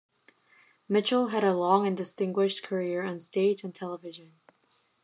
Mitchell had a long and distinguished career on stage and television.